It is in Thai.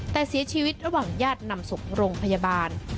แต่เสียชีวิตระหว่างญาตินำส่งโรงพยาบาล